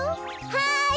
はい！